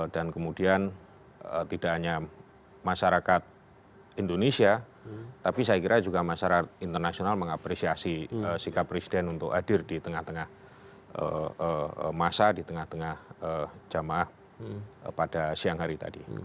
dan kemudian tidak hanya masyarakat indonesia tapi saya kira juga masyarakat internasional mengapresiasi sikap presiden untuk hadir di tengah tengah masa di tengah tengah jamaah pada siang hari tadi